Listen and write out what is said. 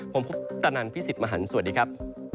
ผมพุทธนันทร์พี่สิทธิ์มหันต์สวัสดีครับ